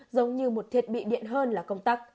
giống như một thiết bị điện hơn là công tắc